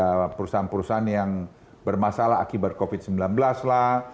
ada perusahaan perusahaan yang bermasalah akibat covid sembilan belas lah